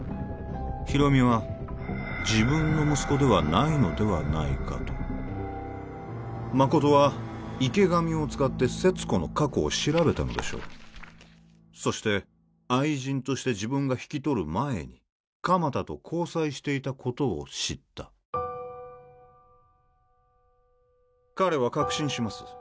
広見は自分の息子ではないのではないかと誠は池上を使って勢津子の過去を調べたのでしょうそして愛人として自分が引き取る前に鎌田と交際していたことを知った彼は確信します